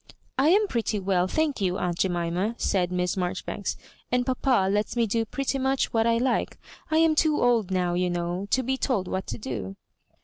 " I am pretty well, thank you, aunt Jemima/' said Miss Marjoribanks ;" and papa lets me do pretty much what I like : I am too old now, you know, to be told what to do."